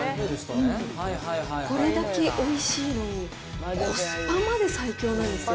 これだけおいしいのに、コスパまで最強なんですよ。